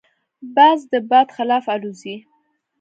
باز د باد خلاف الوزي